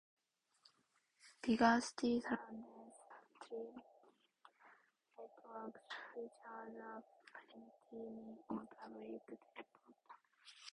Bigger cities run dense tram networks, which are the primary mean of public transport.